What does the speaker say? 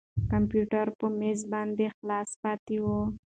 کمپیوټر په مېز باندې خلاص پاتې و.